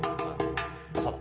長田。